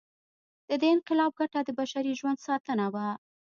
د دې انقلاب ګټه د بشري ژوند ساتنه وه.